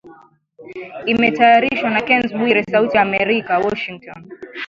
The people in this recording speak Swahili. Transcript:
Imetayarishwa na Kennes Bwire, Sauti ya Amerika, Washington.